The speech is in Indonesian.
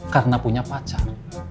karena punya pacar